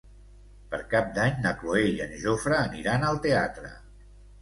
Per Cap d'Any na Cloè i en Jofre aniran al teatre.